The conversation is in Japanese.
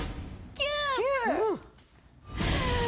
９！